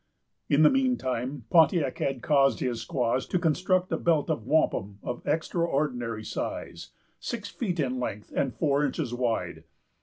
In the mean time, Pontiac had caused his squaws to construct a belt of wampum of extraordinary size, six feet in length, and four inches wide.